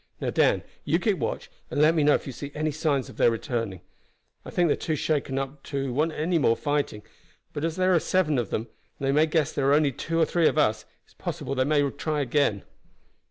Now, Dan, you keep watch, and let me know if you see any signs of their returning. I think they are too shaken up to want any more fighting; but as there are seven of them, and they may guess there are only two or three of us, it is possible they may try again."